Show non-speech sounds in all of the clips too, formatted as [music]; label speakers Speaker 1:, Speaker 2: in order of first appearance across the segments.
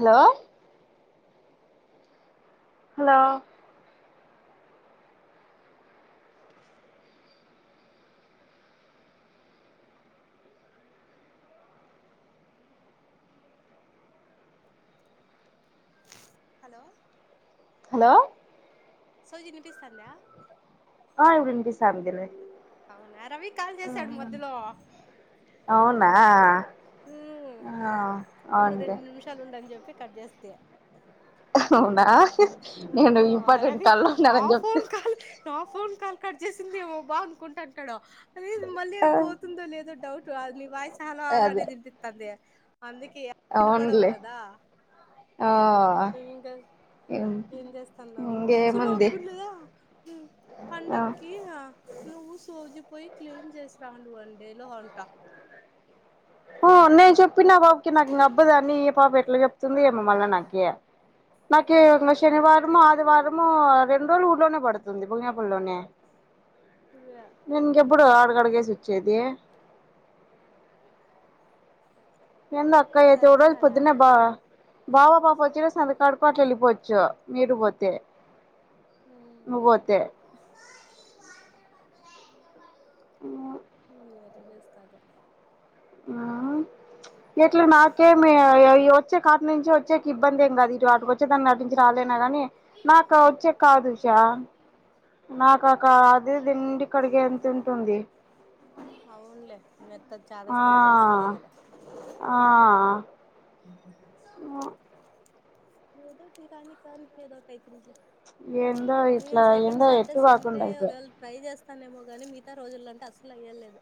Speaker 1: Hello hello
Speaker 2: hello
Speaker 1: hello
Speaker 2: Sowji వినిపిస్తందా
Speaker 1: ఆ ఇప్పుడు వినిపిస్తాంది లే
Speaker 2: అవునా రవి కాల్ చేసాడు మధ్యలో
Speaker 1: అవునా
Speaker 2: ఉమ్,
Speaker 1: ఆ
Speaker 2: ఉండు
Speaker 1: అవును లే
Speaker 2: రెండు నిమిషాలు ఉండని చెప్పి కట్ చేస్తి
Speaker 1: అవునా
Speaker 2: ఓ
Speaker 1: నేను ఇంపార్టెంట్
Speaker 2: రవి
Speaker 1: కాల్లో
Speaker 2: నా
Speaker 1: ఉన్నానని చెప్తే
Speaker 2: ఫోన్ కాల్ నా ఫోన్ కాల్ కట్ చేసిందేమో బా అనుకుంటంటాడు అద మళ్ళీ పోతుందో లేదో డౌట్ లి వాయి్ చలో
Speaker 1: అదే
Speaker 2: అలాడే ద త తంది అందుక ఎిన పడవు
Speaker 1: అవునులే ఆ
Speaker 2: కదాకా ఏం చేస్తున్నావు
Speaker 1: ఇంకేముంది
Speaker 2: సుమకులుగా
Speaker 1: ఆ
Speaker 2: పండకి నువ్వు సోజపోయి క్లీన్ చేసావు వన్ డే లో అంట
Speaker 1: న చెప్ప చెప్పి నా బాబుకి నాకు ఇం అబ్బదాని ఏ పాప ఎట్లా చెప్తుంది ఏ మల్ల నాకే నాక ఇంకా శనివారంము ఆదివారం ము రెండు రోజులు ఊర్లోనే పడుతుంది భుగినపలి లోనే
Speaker 2: ఇదే
Speaker 1: నంక ఎప్పుడు ఆడు క్కడగసుచ్చేది ఎంత అక్కా
Speaker 2: ఇది
Speaker 1: ఏతేడ
Speaker 2: అర్థం కాలే
Speaker 1: పొద్తున్న బా బాబా పాా పోచ్చ అ కాడు కోట్లు వెళ్లిపోచ్చు చ నిరవతే ము పోోతే
Speaker 2: [inaudible] చేస్తాద
Speaker 1: ఇట్లా నాకేమి వచ్చే కాటి నుంచి వచ్చే ఇబ్బంది ఏం కదు ఇటు వాటికి వచ్చే దాన్ని నటించి రాలేనా కాగానీ నాకు వచ్చే కాదుషా నాకు అ కా అద దండి కడిగే ఎంత ఉంటుంది
Speaker 2: అవునులే మెత్తగా
Speaker 1: ఆ
Speaker 2: చాదస్తుంది తెలిసిందే
Speaker 1: ఆ
Speaker 2: ఉ
Speaker 1: ఆ
Speaker 2: [unintelligible]
Speaker 1: ఎండ
Speaker 2: నేను
Speaker 1: ఇట్లా ఎండ ఎట్టు కాకుండా అయితుంది
Speaker 2: వస్తానేమో కానీ మిగతా రోజుల్లోంటే అసలు అయ్యలేదు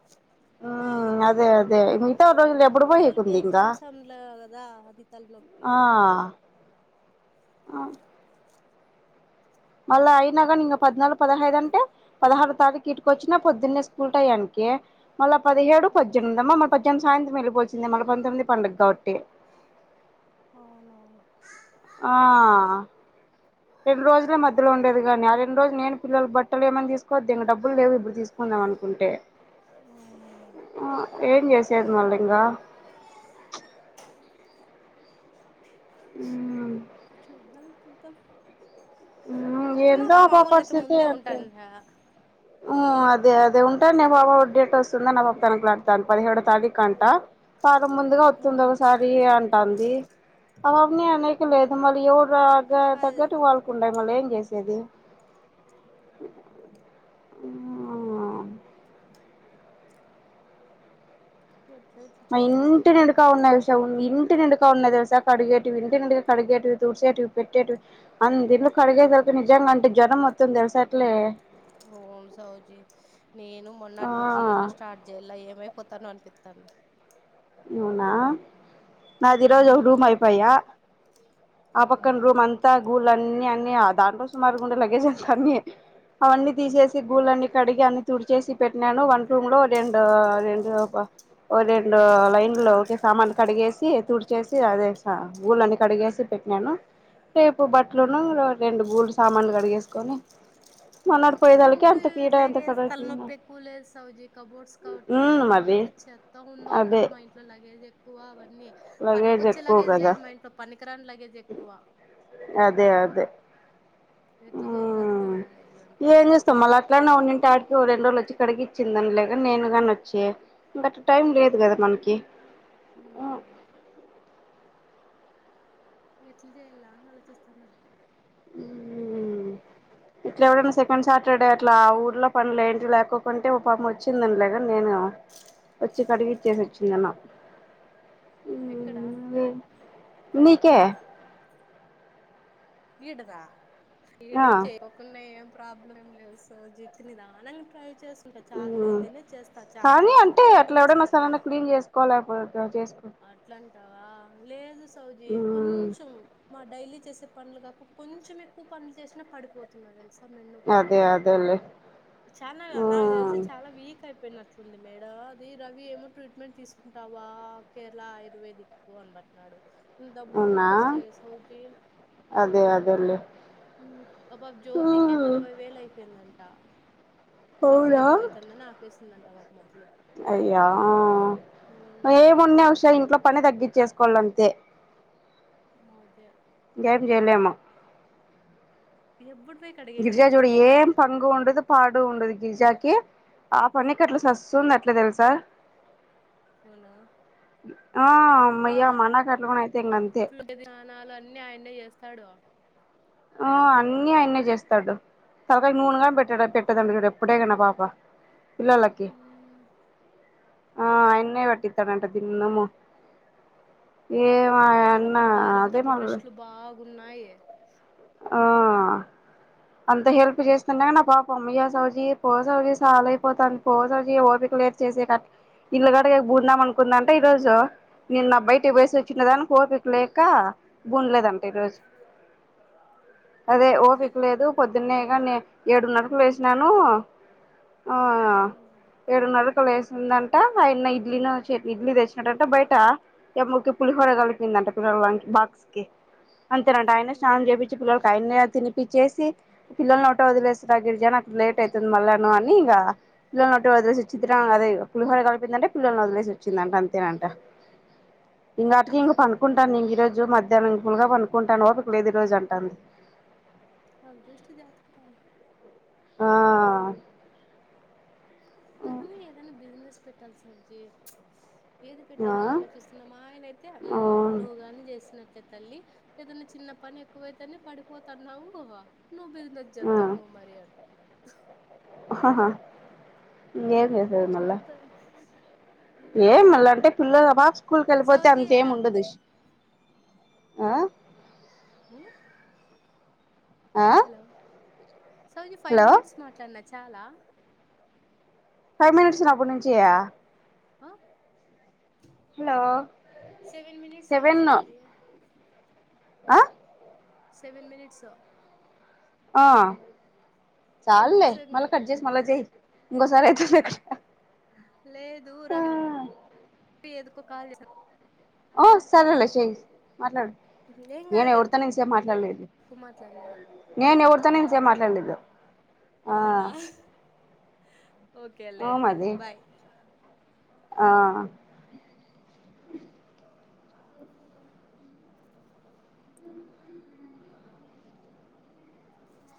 Speaker 1: అ ఆ అదే అదే రోజులు ఎప్పుడు
Speaker 2: పిల్లలకి
Speaker 1: పోయేకుంది ఇంకా
Speaker 2: ఎక్జామ్స్ంలదా అది తల నొప్పి
Speaker 1: ఆ మళ్ళీ అయినా కానీ ఇంకా పద్నాలుగు పదహైదు అంటే పదహారు తారీఖు ఇటుకొచ్చినా పొద్దున్నే స్కూల్ టైం కి మళ్ళ పదిహేడు పద్దనిమిమ్ మన పద్దెనిమి సాయంత్రం వెళ్లాల్సిందే మళ పొమ్మిది పండుగ కాబట్టి ట
Speaker 2: అవునవును
Speaker 1: ఆ రెండు రోజులే మధ్యలో ఉండేది కాగాని ఆ రెండు రోజులు నేను పిల్లలు బట్టలు ఏమన్నా తీసుకోవద్దు ద ఇంక డబ్బులు లేవు ఇప్పుడు తీసుకుందాం అనుకుంటే ఆ ఏం చేసేది మళ్ళీ ఇంకా అ
Speaker 2: చూద్దం చూద్దం
Speaker 1: ఊ ఏందో ఆ పాప పరిస్థితి
Speaker 2: ముందే
Speaker 1: అదే
Speaker 2: ఉంటాండ
Speaker 1: ఊ అదే అదే అదే ఉంటండే ఆ పాప డేట్ వస్తుందని ఆ పాప తనకలాడ్తన్న్ పదిహేడో తారీకంట [unintelligible] ఇక్కడ ముందుగా వత్తున్ది ఒకసారి అంటాన్ది. ఆ పాపని అనేకి లేదు మళ్లీ ఎవరు రా గా
Speaker 2: అదే
Speaker 1: తగ్గట్టు వాళ్ మల్ల ఏం చేసేది ఊ
Speaker 2: ఎట్లా ఇట్లా
Speaker 1: వాళ్ళ
Speaker 2: చెయ్యాలి
Speaker 1: ఇంటి
Speaker 2: సౌజీ
Speaker 1: నిండుక
Speaker 2: పాపం
Speaker 1: ఉన్నారు [unintelligible] ఇంటి నిండుగా ఉన్నాయి తెలుసా కడిగేవి ఇంటి నిండు కడిగేటివి తుడిసేటివి పెట్టేటివి అంత ఇండ్లు కడిగేకీ నిజంగా అంటే జ్వరం వస్తుంది తెలుసా అట్లే.
Speaker 2: ఊను సౌజీ నేను
Speaker 1: ఆ
Speaker 2: మొర్నాటి నుంచి ఇల్లు స్టార్ట్ చేయ్యాల ఏమైపోతాను అని పిత్తంది.
Speaker 1: అవునా నాది ఈ రోజు ఒక రూమ్ అయిపోయా ఆ పక్కన
Speaker 2: అవునా
Speaker 1: రూమ్ అంతా గుల్ ల్లన్ని అన్ని దాంట్లో సుమారుగ ఉండే లగేజ్ అంత అన్ని అవన్నీ తీసేసి
Speaker 2: ఉమ్
Speaker 1: గూళ్ళన్నీ కడిగి అని తుడిచేసి పెట్నాను వంట రూమ్ లో రెండు అదేందో బా రెండు లైన్లో ఒకటే సామాన్లు కడిగేసి తుడిచేసి అదే గూళ్ళన్ని కడిగేసి పెట్నాను. బట్లను
Speaker 2: ఉమ్.
Speaker 1: రెండు గూళ్లు సామాన్లు కడిగేస్ కొని
Speaker 2: నీ ఇంట్లో ఏ లగేజ్ తలనొప్పి ఎక్కువ లేద్ సౌజీ కబోర్డ్స్ కాబట్టి నాది
Speaker 1: మరి
Speaker 2: ఎంత చేత్తగుందో
Speaker 1: అదే
Speaker 2: అందులో మా ఇంట్లో లగేజ్ ఎక్కువ అన్నీ
Speaker 1: లగేజ్
Speaker 2: పనికొచ్చే
Speaker 1: ఎక్కువ
Speaker 2: లగేజ్
Speaker 1: కదా
Speaker 2: లేదు మా ఇంట్లో పనికిరాని లగేజ్ ఎక్కువ
Speaker 1: దే
Speaker 2: ఎట్ల జేయ్యల్లో అర్థం కాలేదు ఇదంతా
Speaker 1: ఏం చేస్తాం మళ్ళ అట్లానే ఉన్నింటే ఆడికి ఓ రెండు రోజ్లు వచ్చి కడిగిచ్చింద్న్ లేగానీ నేను గాని వచ్చి ఇంగట్ల టైం లేదు కదా మనకి ఉ
Speaker 2: ఉమ్ ఎట్ల చేయల్ల అని అలోచిస్తన్నా
Speaker 1: ఊ ఇట్లా ఎప్డన్న సెకండ్ సాటర్డే అట్లా ఊర్లో పనులు ఏంటివి లేకోకుంటే ఓ పాప్ము వచ్చింద్న్డు లేగానీ నేను వచ్చి కడిగిచ్చేసి వచ్చిందును
Speaker 2: ఎక్కడా
Speaker 1: నీకే
Speaker 2: ఇడ్దా ఇడ
Speaker 1: ఆ
Speaker 2: చేయ్కోకున్నాఏమ్ ప్రాబ్లమ్ ఏం లేదు సౌజీకి నిదానంగా ట్రై చేసుకుంట చాతనయితేనే చేస్తా చాత
Speaker 1: కానీ అంటే
Speaker 2: కాకపోతే
Speaker 1: అట్లా
Speaker 2: వదిలేస్తా
Speaker 1: ఎవడైనా సడన్గా క్లీన్ చేసుకోలేకపోతే చేసుకో
Speaker 2: అట్లాం స్తావా లేదు సౌ సౌజీ కొంచెం మా డైలీ చేసే పనులు కాక కొంచెం ఎక్కువ పనులు చేసినా పడిపోతుంద తెలిసా ప్ప
Speaker 1: అదే అదేలే
Speaker 2: చానా నాకు తెలిసి చాలా వీక్ అయిపోయిన ది మేడం అది రవి ఏమో ట్రీట్మెంట్ తీసుకుంటావా కేరళ ఆయుర్వేదిక్ కు అనపట్నాడు డబ్బులు
Speaker 1: అవునా
Speaker 2: ఊరికొస్తాయి సౌజీ
Speaker 1: అదే అదేలేే
Speaker 2: మా పాప జ్యోతికే నలభై వేలు అయిదండి త డబ్బులు
Speaker 1: అవునా
Speaker 2: ఎక్కువ అవుతుందని ఆపేసా ఉంతటవా
Speaker 1: అయ్యా
Speaker 2: ఉమ్
Speaker 1: ఏమున్నా అషా ఇంట్లో పని తగ్గించేస్ వాళ్లంతే
Speaker 2: మధ్య
Speaker 1: ఇంకేం చేయలేము
Speaker 2: ఎప్పుడు పోయి కడిగేకి
Speaker 1: గిరిజా చూడు
Speaker 2: అయితుంది
Speaker 1: ఏం పంగు ఉండదు పాడు ఉండదు గిరిజాకి ఆ పనికి అట్లా సస్ ఉంది అట్లా తెలుసు హ
Speaker 2: ఆ
Speaker 1: అమ్మయ్య మా అన్నకి అట్లా కూడా అయితే ఇంక అంతే
Speaker 2: అవునాధానాలు అన్ని ఆయన్న చేస్తాడు
Speaker 1: ఆ అన్నీ ఆయన్ని చేస్తాడు తాలకా నూనె కూడా పెట్టటడా
Speaker 2: ఉమ్
Speaker 1: పెటుదం అప్పుడే కన పాప పిల్లలకి
Speaker 2: ఉమ్
Speaker 1: అ అయిన్నే పెట్టిత్తడు అంట ద్దిన్నాము ఏమో అన్న అదే మల్
Speaker 2: ఉన్నాయే
Speaker 1: ఆ అంత హెల్ప్ చేస్తుండగా నా పాప అమ్మయ సౌజీ పో సౌజీ సాల అయిపోతాంది పో సౌజీ ఓపిక లేద్ చేసేటట్లు ఇల్లు గడ బు న్నాం అనుకుంద అంటే ఈ రోజు నిన్న బయటికి
Speaker 2: ఉ
Speaker 1: బోసిచ్చింనాడు గాని పోచ్ లేక బూండలేదంట ఈరోజు అదే ఓపికలేదు పొద్దున్నే కానీ ఏడున్నరకు లేసినాను ఆ
Speaker 2: ఉమ్
Speaker 1: ఏడునరక్ మ్ముక్కలేసిందిఅంట వేసిందంటే ఆయన ఇడ్లీనో చట్నీ ఇడ్లీ తెచ్చినటంటే బయట ఏ ముకి పులిహోర కలిపిందంట పిల్లల లచ్ బాక్స్ కి అంతేనంట అయనే స్నానం
Speaker 2: ఉమ్
Speaker 1: చేపిచ్ ఆయన్న తినిపిచ్చేసి పిల్లల్ని ఎటో వదిలేస్తాది గిరిజాను అక్కడ లేట్ అవుతుంది మళ్ళాను అని ఇంగా పిల్ల [unintelligible] అరె పులిహోర కలిపిందంటే పిల్లల్ని [unintelligible] [unintelligible] వదిలేసి వచ్చిందంట అంతేనంట ఇంగ అట్లనే పండుకుంటాను నిను ఈ రోజు మధ్యానం ఫుల్ గా పడుకుంటాను ఓపిక లేదు ఈ రోజ్ అం
Speaker 2: అదృష్టం జాతకాలు
Speaker 1: అ
Speaker 2: మనం ఏదైనా బిజినెస్ పెట్టాలి సౌజి ఏది పెట్టాల అని ఆలోచిస్తున్నా మా ఆయన అయితే అ
Speaker 1: అవును
Speaker 2: నువ్వు గాని చేసినట్టే తల్లి ఏదైనా చిన్న పని ఎక్కువైతేనే పడిపోతన్నావ్వు నువ్ బిజినెస్ చేస్తావు నువ్వు మారీ అంటున్నాడు
Speaker 1: హ హ ఇంగే
Speaker 2: ఇది
Speaker 1: చేసేది మళ్ళ
Speaker 2: చూద్దాం
Speaker 1: ఏం
Speaker 2: ఉమ్,
Speaker 1: మళ్ళ అంటే పిల్లలు ఆ పాప స్కూల్ కెళ్ళిపోతే
Speaker 2: సౌజీ
Speaker 1: అంత ఏం ఉండదు ఈస్ అ
Speaker 2: మ్
Speaker 1: ఆ
Speaker 2: hello Sowji five
Speaker 1: hello
Speaker 2: minutes మాట్లాదీన చాలా
Speaker 1: ఫైవ్ మినిట్స్ రావ్ ప్పుడు నుంచియా
Speaker 2: అ సెవెన్ మనిట్స్ అయింది సౌజి
Speaker 1: అ
Speaker 2: సెవెన్ మీనిట్స్
Speaker 1: ఆ
Speaker 2: ఎంత
Speaker 1: చాల్లే
Speaker 2: సెవెన్
Speaker 1: మల్ల కట్ చేసి మల్ల చేయ్ ఇంగోసారి అయితుంది
Speaker 2: అవునా ఎందుకో కాల్ చేసా
Speaker 1: ఓ సరేలే చెయ్ మాట్లాడు
Speaker 2: చేసాను ఏం
Speaker 1: నేను
Speaker 2: కాదు కదా
Speaker 1: ఎవరితోను ఎంతసేపు మాట్లాడలేదు
Speaker 2: తక్కువ మాట్లాడినా
Speaker 1: నేను
Speaker 2: అవునా
Speaker 1: ఎవరితోను ఎంతసేపు మాట్లాడలేదు ఆ
Speaker 2: అవునా ఓకేలే
Speaker 1: అ
Speaker 2: అయితే
Speaker 1: మది
Speaker 2: బాయ్
Speaker 1: ఆ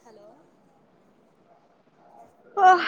Speaker 2: హలో
Speaker 1: ఓహ్